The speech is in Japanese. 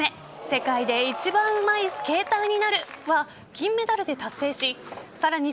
世界で一番うまいスケーターになるは金メダルで達成しさらに